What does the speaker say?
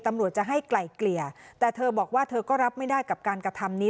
ตำรวจจะให้ไกลเกลี่ยแต่เธอบอกว่าเธอก็รับไม่ได้กับการกระทำนี้